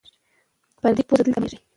پردی پوځ دلته ماتې خوري.